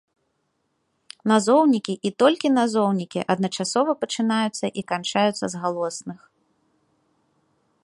Назоўнікі і толькі назоўнікі, адначасова пачынаюцца і канчаюцца з галосных.